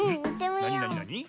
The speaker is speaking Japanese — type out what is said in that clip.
なになになに？